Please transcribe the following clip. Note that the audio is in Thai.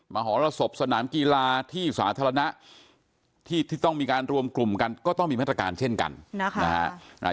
มหรสบสนามกีฬาที่สาธารณะที่ต้องมีการรวมกลุ่มกันก็ต้องมีมาตรการเช่นกันนะคะ